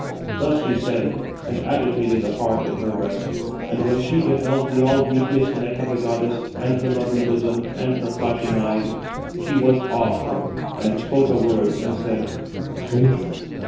Thus she said, and agitated the heart in her breast: and when she beheld the all beauteous neck of the goddess, and her lovely bosom, and her flashing eyes, she was awe struck, and spoke a word, and said: "Strange one!